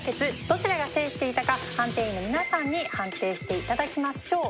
どちらが制していたか判定員の皆さんに判定して頂きましょう。